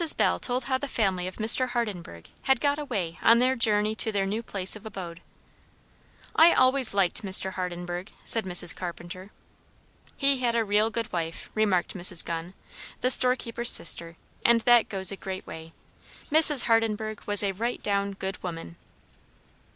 Bell told how the family of Mr. Hardenburgh had got away on their journey to their new place of abode. "I always liked Mr. Hardenburgh," said Mrs. Carpenter. "He had a real good wife," remarked Miss Gunn, the storekeeper's sister, "and that goes a great way. Mrs. Hardenburgh was a right down good woman."